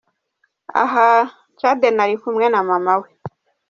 Aha Caden ari kumwe na mama we.